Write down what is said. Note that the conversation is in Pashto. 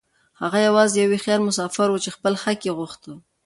هغه يوازې يو هوښيار مسافر و چې خپل حق يې غوښت.